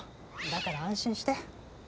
だから安心して。